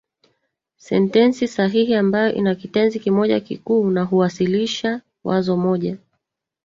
Sentensi sahili ambayo ina kitenzi kimoja kikuu na huwasilisha wazo moja.